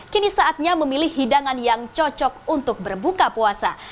kini saatnya memilih hidangan yang cocok untuk berbuka puasa